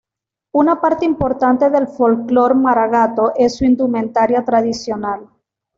Una parte importante del folclore maragato es su indumentaria tradicional.